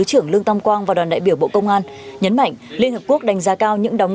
trưởng lương tâm quang và đoàn đại biểu bộ công an nhấn mạnh liên hợp quốc đánh giá cao những đóng